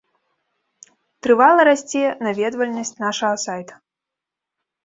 Трывала расце наведвальнасць нашага сайта.